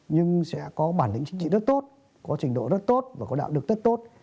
nhưng sẽ có bản lĩnh chính trị rất tốt có trình độ rất tốt và có đạo đức rất tốt